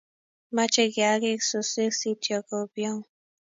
Machei kiakik suswek sityo ko piong